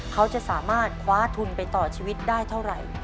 เขาจะสามารถคว้าทุนไปต่อชีวิตได้เท่าไหร่